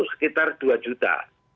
sekitar dua juta